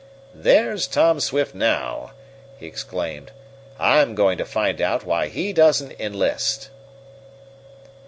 "There's Tom Swift now!" he exclaimed. "I'm going to find out why he doesn't enlist!"